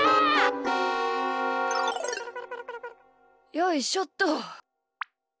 よいしょっと。